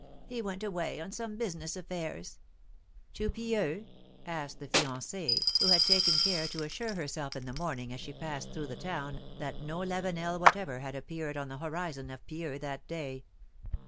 He went away on some business affairs.^^ ^'To Pieux?'^ asked the fiancee, who had taken care to assure herself in the morning as she passed through the town, that no Lavenel whatever had appeared on the horizon of Pieux that day.